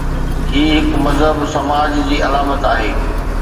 هي هڪ مهذب سماج جي علامت آهي.